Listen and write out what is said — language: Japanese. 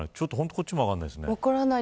こっちも分からないですね。